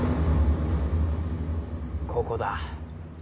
ここだ。